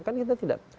kan kita tidak